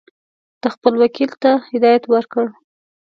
ده خپل وکیل ته هدایت ورکړ.